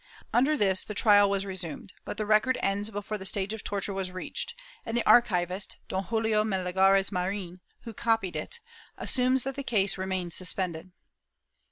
Under this the trial was resumed, but the record Chap, n] VALENCIA 366 ends before the stage of torture was reached, and the archivist, Don Julio Melgares Marin, who copied it, assumes that the case remained suspended.